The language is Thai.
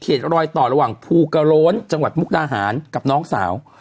ภูเหล็กไฟเคลดรอยต่อระหว่างภูกะโรนจังหวัดมุกนาหารกับน้องสาว